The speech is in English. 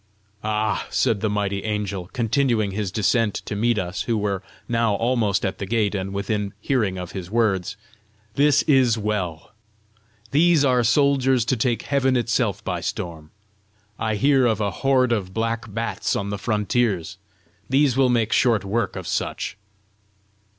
"Ah!" said the mighty angel, continuing his descent to meet us who were now almost at the gate and within hearing of his words, "this is well! these are soldiers to take heaven itself by storm! I hear of a horde of black bats on the frontiers: these will make short work with such!"